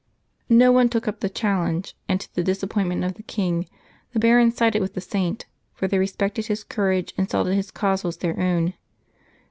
'No one took up the challenge; and to the disappointment of the king, the barons sided with the Saint, for they respected his courage, and saw that his cause was their own.